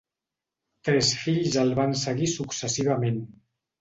Tres fills el van seguir successivament.